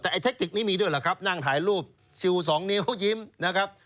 แต่ไอเทคนิคนี้มีด้วยเหรอครับนั่งถ่ายรูปชิวสองนิ้วยิ้มนะครับ